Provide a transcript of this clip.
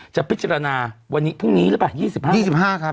จะพิจารณาวันนี้พรุ่งนี้หรือเปล่า๒๕๒๕ครับ